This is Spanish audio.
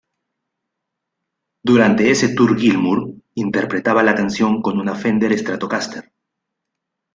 Durante ese tour Gilmour interpretaba la canción con una Fender Stratocaster.